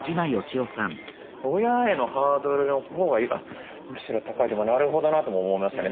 親へのハードルのほうがむしろ高いなるほどなとも思いましたね。